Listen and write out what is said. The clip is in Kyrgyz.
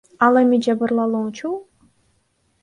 Ал эми жабырлануучу О.